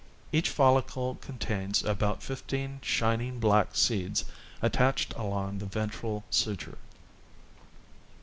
Each follicle contains about fifteen shining black seeds attached along the ventral suture.